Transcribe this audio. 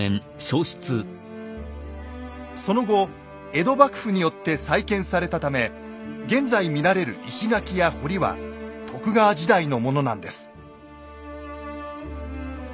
その後江戸幕府によって再建されたため現在見られる石垣や堀は徳川時代のものなんです。